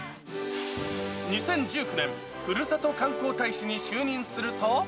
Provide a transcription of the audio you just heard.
２０１９年、ふるさと観光大使に就任すると。